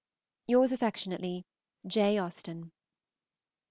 Yours affectionately, J. AUSTEN.